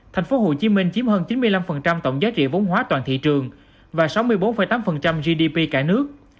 tp hcm chiếm hơn chín mươi năm tổng giá trị vốn hóa toàn thị trường và sáu mươi bốn tám gdp cả nước